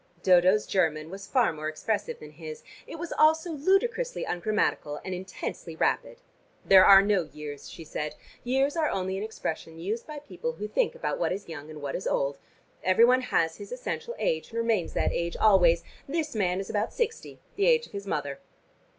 Dodo's German was far more expressive than his, it was also ludicrously ungrammatical, and intensely rapid. "There are no years," she said. "Years are only an expression used by people who think about what is young and what is old. Every one has his essential age, and remains that age always. This man is about sixty, the age of his mother."